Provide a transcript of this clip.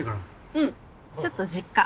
うんちょっと実家。